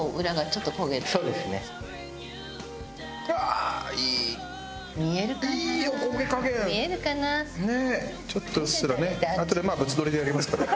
ちょっとうっすらね。